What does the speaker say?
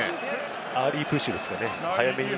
アーリープッシュですね。